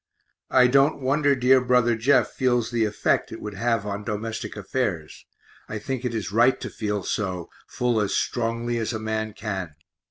I don't wonder dear brother Jeff feels the effect it would have on domestic affairs; I think it is right to feel so, full as strongly as a man can.